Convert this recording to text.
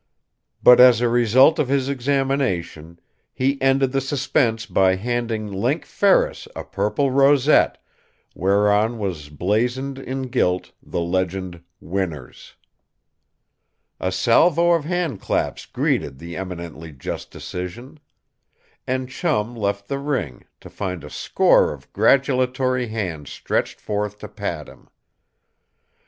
But as a result of his examination, he ended the suspense by handing Link Ferris a purple rosette, whereon was blazoned in gilt the legend, "Winners." A salvo of handclaps greeted the eminently just decision. And Chum left the ring, to find a score of gratulatory hands stretched forth to pat him.